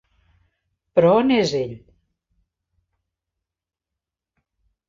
Però on és ell?